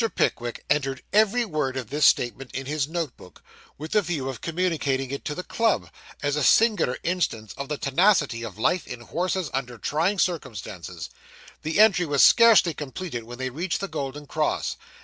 Pickwick entered every word of this statement in his note book, with the view of communicating it to the club, as a singular instance of the tenacity of life in horses under trying circumstances. The entry was scarcely completed when they reached the Golden Cross.